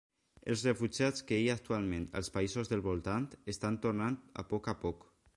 Els refugiats que hi ha actualment als països del voltant estan tornant a poc a poc.